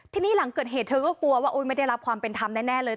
ทีนี้หลังเกิดเหตุเธอก็กลัวว่าไม่ได้รับความเป็นธรรมแน่เลย